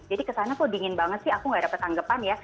jadi kesannya kok dingin banget sih aku nggak ada pertanggapan ya